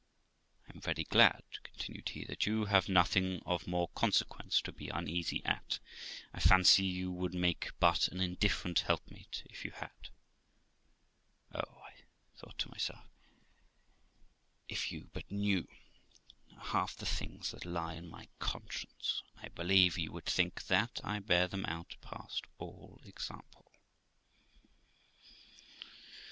I am very glad', continued he, 'that you have nothing of more consequence to be uneasy at, I fancy you would make but an indifferent helpmate if you had.' Oh ! thought I to myself, if you but knew half the things that lie on my conscience, I believe you would think that I bear them out past all example.